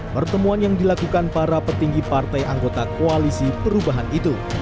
pertemuan yang dilakukan para petinggi partai anggota koalisi perubahan itu